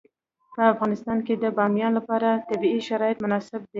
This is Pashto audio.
په افغانستان کې د بامیان لپاره طبیعي شرایط مناسب دي.